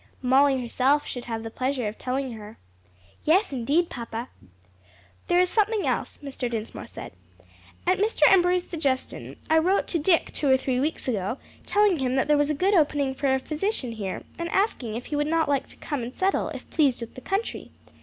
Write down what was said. "Molly herself should have the pleasure of telling her." "Yes, indeed, papa." "There is something else," Mr. Dinsmore said. "At Mr. Embury's suggestion I wrote to Dick two or three weeks ago, telling him that there was a good opening for a physician here, and asking if he would not like to come and settle if pleased with the country.